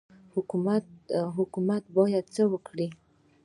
حکومت باید څه وکړي؟